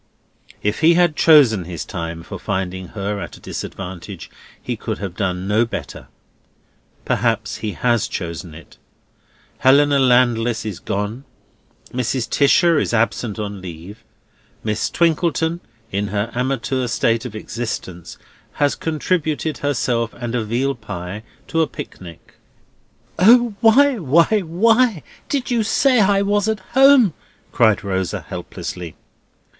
If he had chosen his time for finding her at a disadvantage, he could have done no better. Perhaps he has chosen it. Helena Landless is gone, Mrs. Tisher is absent on leave, Miss Twinkleton (in her amateur state of existence) has contributed herself and a veal pie to a picnic. "O why, why, why, did you say I was at home!" cried Rosa, helplessly.